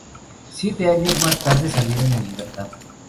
Siete años más tarde, salieron en libertad.